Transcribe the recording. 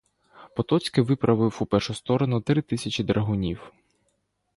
Потоцький виправив у першу сторожу три тисячі драгунів.